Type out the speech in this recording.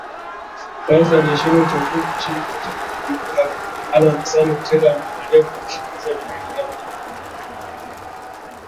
rais aliyeshinda uchaguzi nchini cote devoire alan hassan watera ameendelea kumshinikiza lauren bagbo